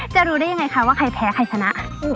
จะรู้ได้ยังไงคะว่าใครแพ้ใครชนะ